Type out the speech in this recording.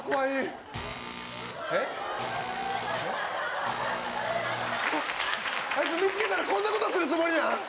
えっあいつ、見つけたらこんなことするつもりやん。